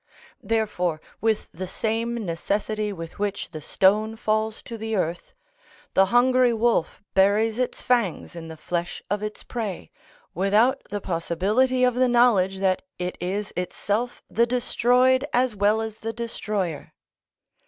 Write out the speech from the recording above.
Therefore with the same necessity with which the stone falls to the earth, the hungry wolf buries its fangs in the flesh of its prey, without the possibility of the knowledge that it is itself the destroyed as well as the destroyer.